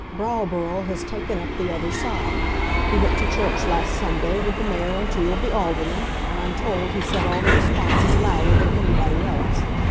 Browborough has taken up the other side. He went to church last Sunday with the Mayor and two of the Aldermen, and I'm told he said all the responses louder than anybody else.